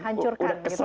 hancurkan gitu kan